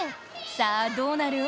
さあどうなる？